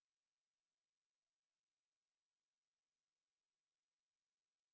untuk sebagai tatap kapib ini